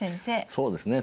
そうですね。